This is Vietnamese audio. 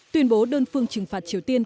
tuyên bố đơn phương trừng phạt triều tiên